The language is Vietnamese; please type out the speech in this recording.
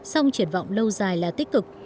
song triển vọng lâu dài là tích cực